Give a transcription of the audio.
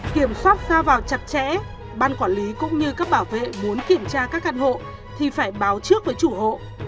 kiểm soát ra vào chặt chẽ ban quản lý cũng như các bảo vệ muốn kiểm tra các căn hộ thì phải báo trước với chủ hộ